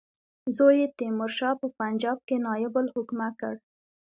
زوی یې تیمورشاه په پنجاب کې نایب الحکومه کړ.